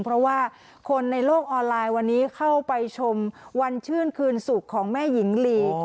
เพราะว่าคนในโลกออนไลน์วันนี้เข้าไปชมวันชื่นคืนสุขของแม่หญิงลี